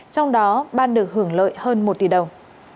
trong đó ban được hưởng lợi hơn một tỷ đồng